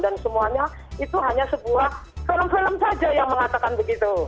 dan semuanya itu hanya sebuah film film saja yang mengatakan begitu